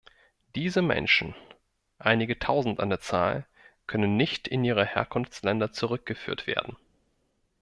Diese Menschen, einige Tausend an der Zahl, können nicht in ihre Herkunftsländer zurückgeführt werden.